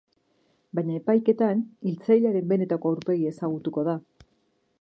Baina epaiketan hiltzailearen benetako aurpegia ezagutuko da.